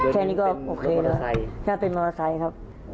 แค่นี้ก็โอเคเนอะถ้าเป็นมอเตอร์ไซค์ครับ